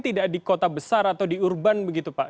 tidak di kota besar atau di urban begitu pak